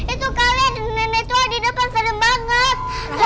itu kali ada nenek tua di depan seram banget